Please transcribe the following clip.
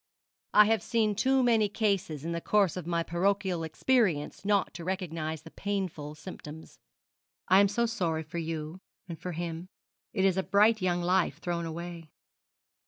'I have seen too many cases in the course of my parochial experience not to recognise the painful symptoms. I am so sorry for you and for him. It is a bright young life thrown away.'